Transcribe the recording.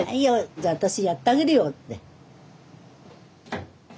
じゃあ私やってあげるよって。